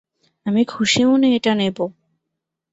আমি খুশিমনে এটা নেবো।